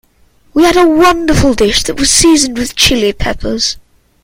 We had a wonderful dish that was seasoned with Chili Peppers.